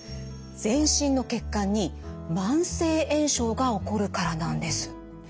全身の血管に慢性炎症が起こるからなんです。